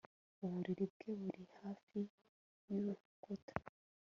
Uburiri bwe buri hafi yurukuta